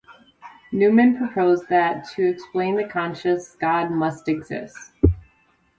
Newman proposed that, to explain the conscience, God must exist.